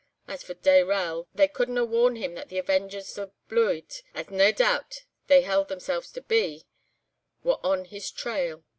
As for Dayrell, they couldna warn him that the avengers o' bluid, as nae doot they held themselves to be, were on his trail.